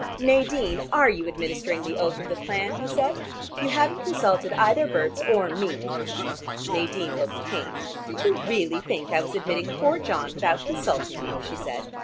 "Nadine, are you administering the oath of the clan?" he said. "You haven't consulted either Berts or me." Nadine looked pained. "Did you really think I was admitting poor John without consulting you?" she said.